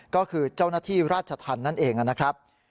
ก็คือเจ้าหน้าที่ราชธรรมนั่นเองนะครับ